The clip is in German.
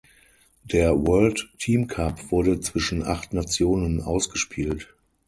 Der World Team Cup wurde zwischen acht Nationen ausgespielt.